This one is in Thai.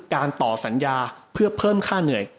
ต่อสัญญาเพื่อเพิ่มค่าเหนื่อย